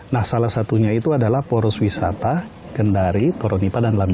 nah salah satunya itu adalah poroswisata kendari toronipah dan labengki